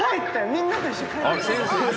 みんなと一緒に帰ったよ・